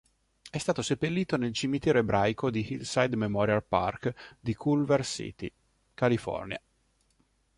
È stato seppellito nel cimitero ebraico di Hillside Memorial Park di Culver City, California.